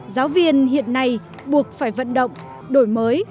giáo viên hiện nay buộc phải vận động đổi mới